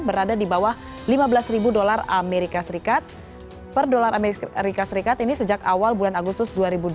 berada di bawah lima belas ribu dolar amerika serikat per dolar amerika serikat ini sejak awal bulan agustus dua ribu dua puluh